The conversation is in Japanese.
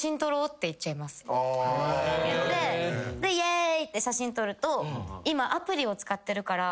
言って「イェーイ」って写真撮ると今アプリを使ってるから。